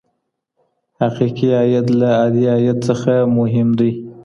حقیقي عاید له عادي عاید څخه مهم دی.